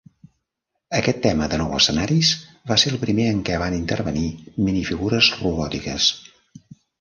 Aquest tema de nou escenaris va ser el primer en què van intervenir minifigures robòtiques.